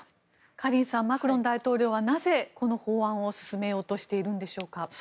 カリンさんマクロン大統領はなぜこの法案を進めようとしているのでしょうか。